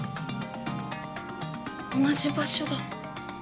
同じ場所だ。